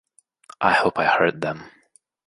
I hope I hurt them.